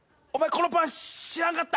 このパン知らんかった？